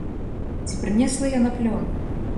Ці прынесла яна плён?